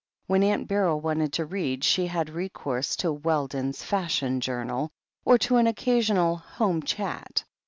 When Aunt Beryl wanted to read, she had recourse to Weldon's Fashion Journal, or to an occasional Home Chat.